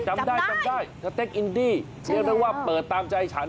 จำได้จำได้สเต็กอินดี้เรียกได้ว่าเปิดตามใจฉัน